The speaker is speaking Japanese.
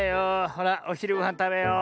ほらおひるごはんたべよう。